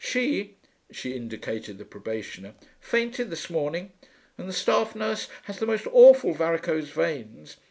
She,' she indicated the probationer, 'fainted this morning. And the staff nurse has the most awful varicose veins.